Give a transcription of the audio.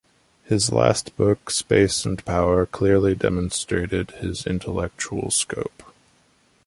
His last book 'Space and Power' clearly demonstrated his intellectual scope.